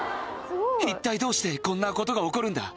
一体どうしてこんなことが起こるんだ？